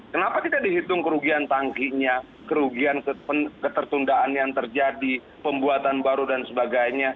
kenapa kita dihitung kerugian tangkinya kerugian ketertundaan yang terjadi pembuatan baru dan sebagainya